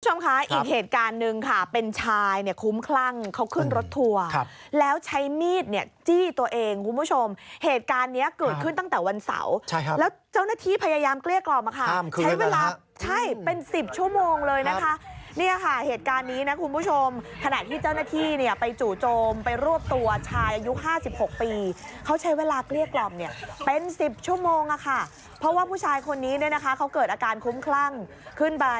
คุณผู้ชมค่ะอีกเหตุการณ์หนึ่งค่ะเป็นชายเนี่ยคุ้มคลั่งเขาขึ้นรถทัวร์ครับแล้วใช้มีดเนี่ยจี้ตัวเองคุณผู้ชมเหตุการณ์เนี่ยเกิดขึ้นตั้งแต่วันเสาร์ใช่ครับแล้วเจ้าหน้าที่พยายามเกลี้ยกรอบมาค่ะห้ามคืนกันค่ะใช้เวลาใช้เป็นสิบชั่วโมงเลยนะคะนี่ค่ะเหตุการณ์นี้นะคุณผู้ชมขนาดที่เจ้าหน้าที่เน